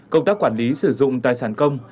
công tác quản lý sử dụng tài sản công